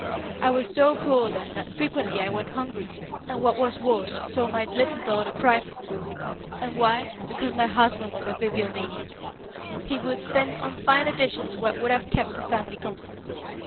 I was so poor then that frequently I went hungry, and what was worse saw my little daughter cry for food. And why? Because my husband was a bibliomaniac. He would spend on fine editions what would have kept the family comfortable.